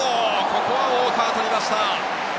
ここはウォーカー、捕りました。